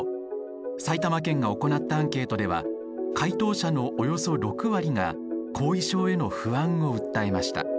埼玉県が行ったアンケートでは回答者のおよそ６割が後遺症への不安を訴えました。